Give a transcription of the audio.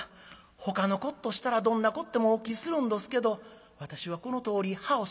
ほかのこっとしたらどんなこってもお聞きするんどすけど私はこのとおり歯を染めております。